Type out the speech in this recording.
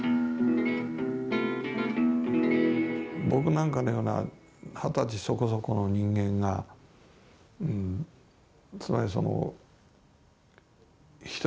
僕なんかのような二十歳そこそこの人間がつまりその一人